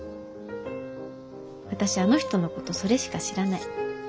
私あの人のことそれしか知らない。